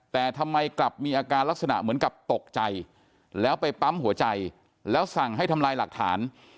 แต่ทำไมกลับมีอาการลักษณะเหมือนกับตกใจแล้วไปปั๊มหัวใจแล้วสั่งให้ทำลายหลักฐาน